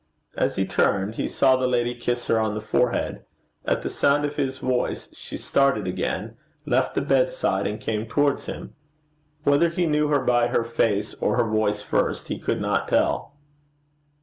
As he turned he saw the lady kiss her on the forehead. At the sound of his voice she started again, left the bedside and came towards him. Whether he knew her by her face or her voice first, he could not tell.